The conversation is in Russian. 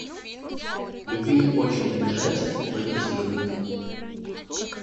Любил очень лежать и курить люльку.